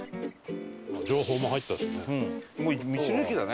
情報も入ったしね。